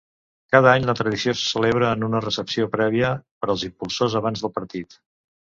Cada any la tradició se celebra en una recepció prèvia per als impulsors abans del partit.